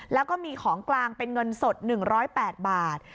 แล้วก็มีของกลางเป็นเงินสด๑๐๘บาท